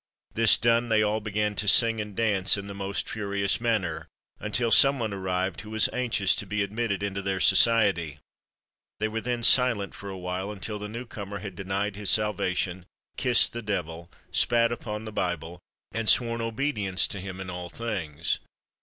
This done, they all began to sing and dance in the most furious manner, until some one arrived who was anxious to be admitted into their society. They were then silent for a while, until the new comer had denied his salvation, kissed the devil, spat upon the Bible, and sworn obedience to him in all things.